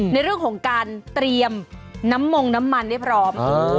ในเรื่องของการเตรียมน้ำมงน้ำมันให้พร้อม